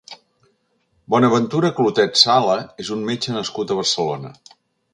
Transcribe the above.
Bonaventura Clotet Sala és un metge nascut a Barcelona.